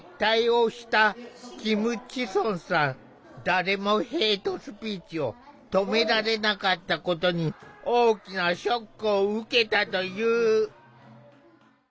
誰もヘイトスピーチを止められなかったことに大きなショックを受けたという。